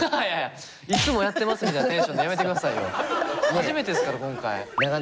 初めてですから今回。